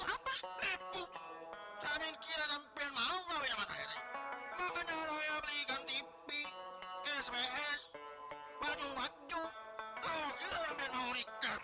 hai kembali ke yang pernah terima kasih fatimah nyata ternyata semua kebaikan